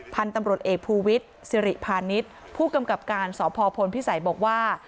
พันธุ์ตำรวจเอกภูวิทย์สิริพาณิชย์ผู้กำกับการสพพลพิสัยบอกว่า